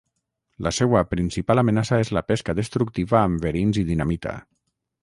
La seua principal amenaça és la pesca destructiva amb verins i dinamita.